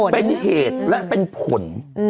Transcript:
เป็นเหตุและเป็นผล